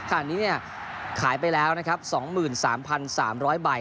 ขณะนี้ขายไปแล้วนะครับ๒๓๓๐๐ใบ